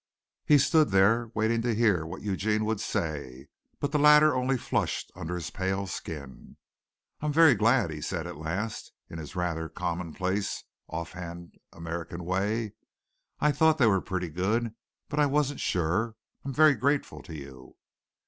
He stood there waiting to hear what Eugene would say, but the latter only flushed under his pale skin. "I'm very glad," he said at last, in his rather commonplace, off hand, American way. "I thought they were pretty good but I wasn't sure. I'm very grateful to you."